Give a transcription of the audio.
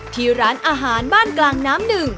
ที่ร้านอาหารบ้านกลางน้ำหนึ่ง